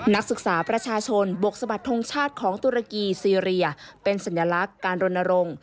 นักศึกษาประชาชนบกสะบัดทงชาติของตุรกีซีเรียเป็นสัญลักษณ์การรณรงค์